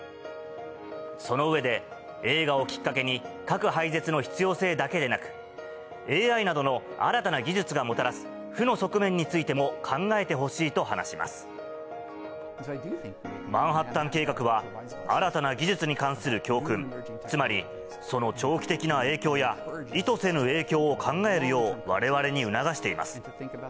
その上で、映画をきっかけに核廃絶の必要性だけでなく、ＡＩなどの新たな技術がもたらす負の側面についても考えてほしいマンハッタン計画は、新たな技術に関する教訓、つまり、その長期的な影響や、意図せぬ影響を考えるようわれわれに促しています。